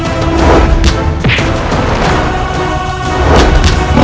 aku tidak mau berpikir seperti itu